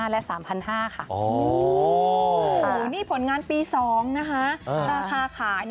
และ๓๕๐๐ค่ะ